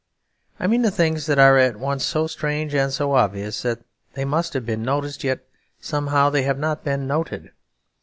I mean the things that are at once so strange and so obvious that they must have been noticed, yet somehow they have not been noted.